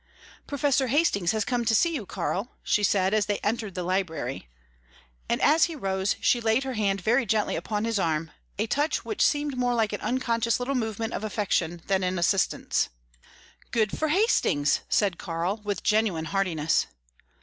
"Professor Hastings has come to see you, Karl," she said, as they entered the library; and as he rose she laid her hand very gently upon his arm, a touch which seemed more like an unconscious little movement of affection than an assistance. "Good for Hastings!" said Karl, with genuine heartiness.